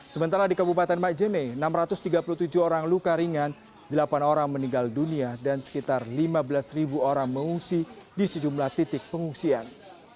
sementara di kabupaten majene enam ratus tiga puluh tujuh orang luka ringan delapan orang meninggal dunia dan sekitar lima belas orang mengungsi di sejumlah titik pengungsian